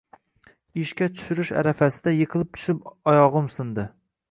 Ishga tushirish arafasida yiqilib tushib oyog`im sindi